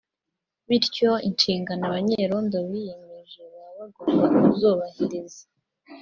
bityo inshingano abanyerondo biyemeje baba bagomba kuzubahiriza